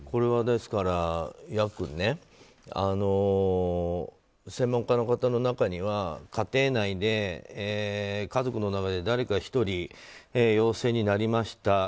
ですから、ヤックン専門家の方の中には家庭内、家族の中で誰か１人陽性になりました。